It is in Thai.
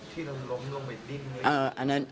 ที่ล้มลงลงไปดิ้งเลย